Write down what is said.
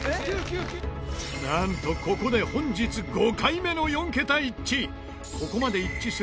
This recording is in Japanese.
なんと、ここで本日５回目の４桁一致！